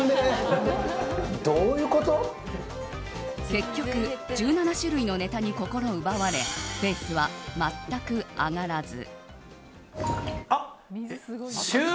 結局１７種類のネタに心奪われペースは全く上がらず。